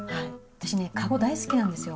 私ねカゴ大好きなんですよ。